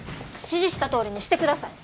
指示したとおりにしてください。